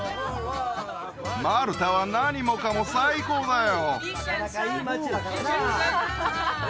マルタは何もかも最高だよ